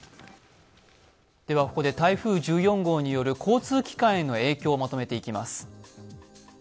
台風１４号による交通機関への影響をまとめていきます。